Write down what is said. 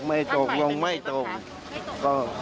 ไม่ตกลงไม่ตกก็